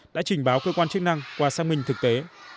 đã trình báo cơ quan chức năng qua xác minh thực tế